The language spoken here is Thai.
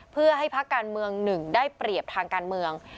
เพื่อให้พักการเมืองหนึ่งได้เปรียบทางการเมือง